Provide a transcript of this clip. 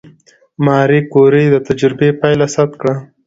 ماري کوري د تجربې پایله ثبت کړه.